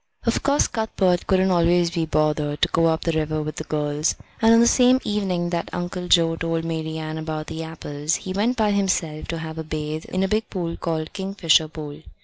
Of course Cuthbert couldn't always be bothered to go up the river with the girls, and on the same evening that Uncle Joe told Marian about the apples he went by himself to have a bathe in a big pool called Kingfisher Pool.